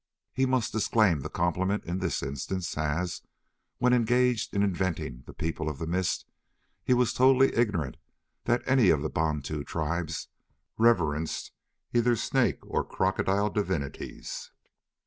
He must disclaim the compliment in this instance as, when engaged in inventing the 'People of the Mist,' he was totally ignorant that any of the Bantu tribes reverenced either snake or crocodile divinities.